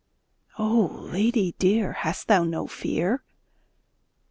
Oh, lady dear, hast thou no fear?